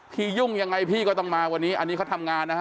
ยุ่งยังไงพี่ก็ต้องมาวันนี้อันนี้เขาทำงานนะฮะ